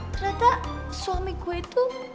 ternyata suami gue itu